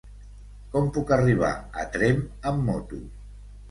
Com puc arribar a Tremp amb moto?